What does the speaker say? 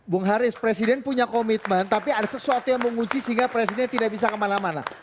bung haris presiden punya komitmen tapi ada sesuatu yang menguji sehingga presiden tidak bisa kemana mana